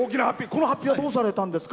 このはっぴはどうされたんですか。